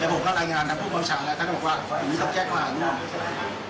แต่ผมก็รายงานทั้งผู้ความฉาแล้วท่านบอกว่าอย่างนี้เขาแจ้งกว่านั่นเนี่ย